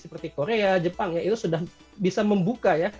seperti korea jepang ya itu sudah bisa membuka ya